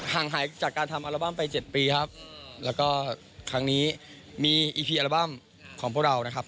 ห่างหายจากการทำอัลบั้มไปเจ็ดปีครับแล้วก็ครั้งนี้มีอีพีอัลบั้มของพวกเรานะครับ